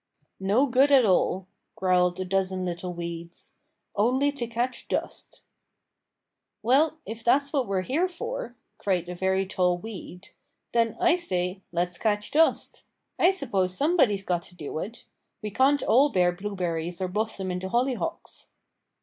"No good at all," growled a dozen little weeds, "only to catch dust." "Well, if that's what we're here for," cried a very tall weed, "then I say let's catch dust! I suppose somebody's got to do it. We can't all bear blueberries or blossom into hollyhocks."